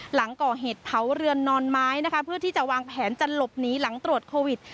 หลังก่อเหตุเผาเรือนนอนไม้นะคะเพื่อที่จะวางแผนจะหลบหนีหลังตรวจโควิด